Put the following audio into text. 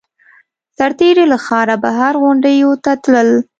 سرتېري له ښاره بهر غونډیو ته تلل.